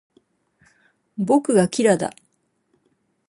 僕がキラだ